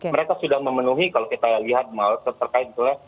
mereka sudah memenuhi kalau kita lihat malah terkait itu ya